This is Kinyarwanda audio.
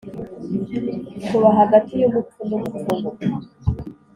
Tuba hagati y'umupfu n'umupfumu